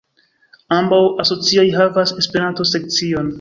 Ambaŭ asocioj havas Esperanto-sekcion.